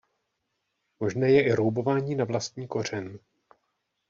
Možné je i roubování na vlastní kořen.